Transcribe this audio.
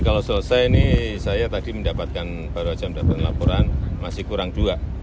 dalam jam jam laporan masih kurang dua